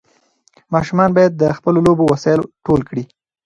ماشومان باید د خپلو لوبو وسایل ټول کړي.